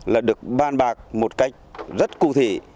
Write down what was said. là được ban bạc một cách rất cụ thể